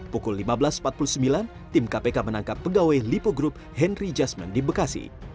pukul lima belas empat puluh sembilan tim kpk menangkap pegawai lipo group henry jasman di bekasi